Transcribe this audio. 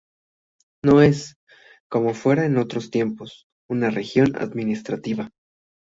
No es, como fuera en otros tiempos, una región administrativa.